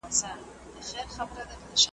پر دې دنیا یې حوري نصیب سوې .